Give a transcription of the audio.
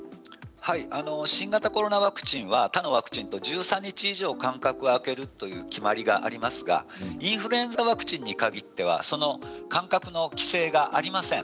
新型コロナワクチンは１３日以上間隔を空けるという決まりがありますがインフルエンザワクチンに限っては間隔の規制がありません。